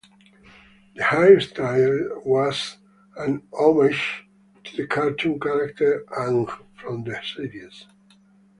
The hairstyle was an homage to the cartoon character Aang from the series.